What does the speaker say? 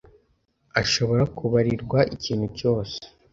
ashoobora kubarirwa ikintu cyose